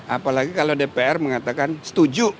apalagi kalau dpr mengatakan setuju